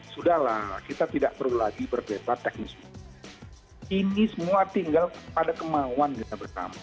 sudahlah kita tidak perlu lagi berbeda teknis ini semua tinggal pada kemauan kita bersama